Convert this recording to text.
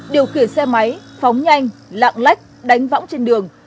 điều khiển xe máy phóng nhanh lạng lách đánh võng trên đường